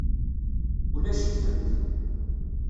Ulac-itent.